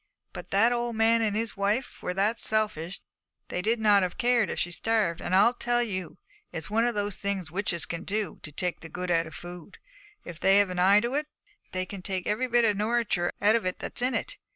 But that old man and his wife were that selfish they'd not have cared if she'd starved. And I tell you, it's one of the things witches can do, to take the good out of food, if they've an eye to it; they can take every bit of nouriture out of it that's in it.